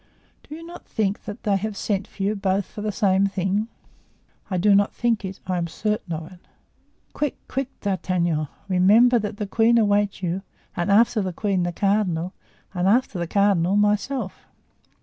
"Do you not think that they have sent for you, both for the same thing?" "I do not think it, I am certain of it." "Quick, quick, D'Artagnan. Remember that the queen awaits you, and after the queen, the cardinal, and after the cardinal, myself."